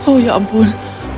oh ya ampun